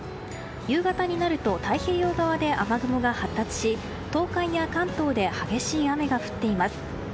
夕方になると太平洋側で雨雲が発達し東海や関東で激しい雨が降っています。